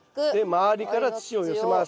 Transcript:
周りから土を寄せます。